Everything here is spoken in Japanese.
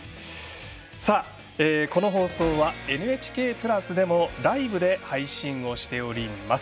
この放送は「ＮＨＫプラス」でもライブで配信をしております。